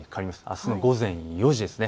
あすの午前４時です。